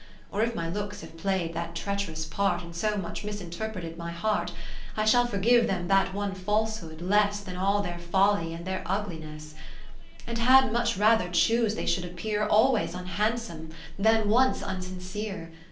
Or if my looks have play'd that treach'rous part. And so much misinterpreted my heart, I shall forgive them that one false hood, less Than all their folly, and their ugli ness 10 Katharine Philips And had much rather choose they should appear Always unhandsome, than once un sincere.